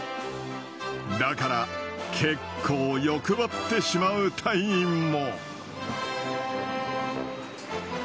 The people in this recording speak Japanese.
だから、結構欲張ってしまう隊員も。